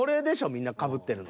みんなかぶってるの。